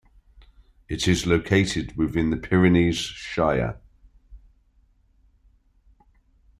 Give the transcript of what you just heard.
It is located within the Pyrenees Shire.